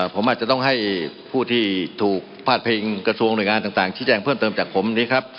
ผมอาจจะต้องให้ผู้ที่ถูกพาดพิงกระทรวงหน่วยงานต่างชี้แจงเพิ่มเติมจากผมนี้ครับ